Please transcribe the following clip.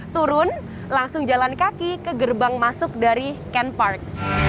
turun langsung jalan kaki ke gerbang masuk dari ken park